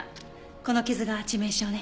この傷が致命傷ね。